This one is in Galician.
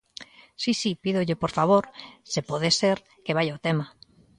Si, si, pídolle por favor, se pode ser, que vaia ao tema.